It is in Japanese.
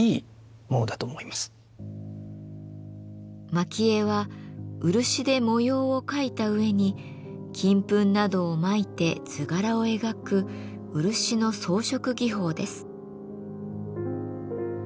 蒔絵は漆で模様を描いた上に金粉などを蒔いて図柄を描く漆の装飾技法です。